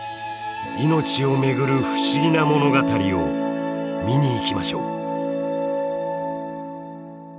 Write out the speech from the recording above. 命を巡る不思議な物語を見に行きましょう。